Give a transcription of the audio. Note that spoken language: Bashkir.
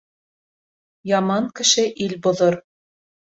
Яман кеше ил боҙор.